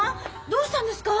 どうしたんですか？